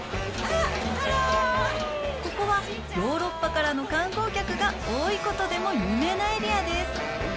ここは、ヨーロッパからの観光客が多いことでも有名なエリアです。